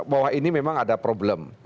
bahwa ini memang ada problem